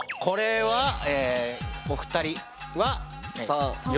これはお二人は。